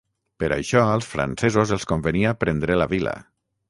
Per això als francesos els convenia prendre la vila.